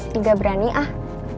nggak berani ah